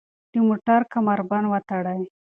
د موټر کمربند وتړئ.